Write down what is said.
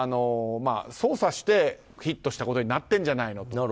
操作してヒットしたことになってるんじゃないのと。